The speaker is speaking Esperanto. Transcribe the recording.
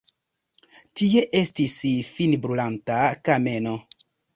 Tie estis finbrulanta kameno.